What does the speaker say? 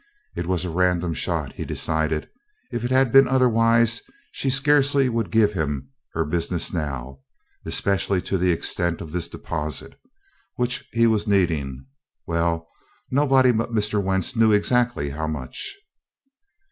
It was a random shot, he decided. If it had been otherwise she scarcely would be giving him her business now, especially to the extent of this deposit which he was needing well, nobody but Mr. Wentz knew exactly how much.